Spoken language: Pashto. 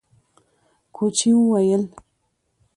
کوچي وويل: